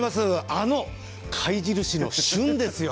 あの貝印の旬ですよ。